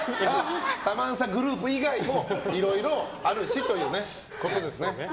サマンサグループ以外もいろいろあるしということですね。